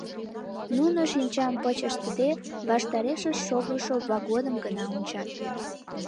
Нуно, шинчам пыч ыштыде, ваштарешышт шогышо вагоным гына ончат.